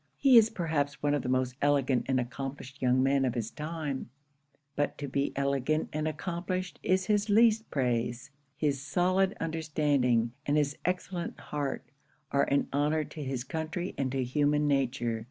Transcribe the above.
He is perhaps one of the most elegant and accomplished young men of his time; but to be elegant and accomplished is his least praise His solid understanding, and his excellent heart, are an honour to his country and to human nature.